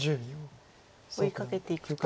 追いかけていくと。